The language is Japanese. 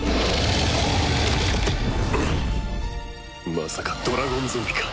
まさかドラゴンゾンビか。